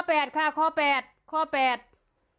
แม่ว่าวไปทั่วทีบเนี่ยข้อแปดค่ะข้อแปดข้อแปด